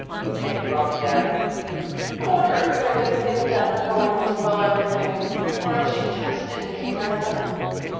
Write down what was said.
Peggy groaned again. "I wonder if Claire didn't think that her going would spoil everything. Or if she just didn't care."